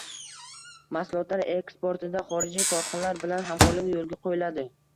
Mahsulotlar eksportida xorijiy korxonalar bilan hamkorlik yo‘lga qo‘yiladi